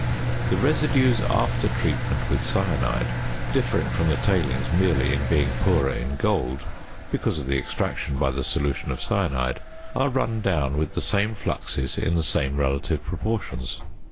The residues after treatment with cyanide, differing from the tailings merely in being poorer in gold because of the extraction by the solution of cyanide, are run down with the same fluxes in the same relative proportions.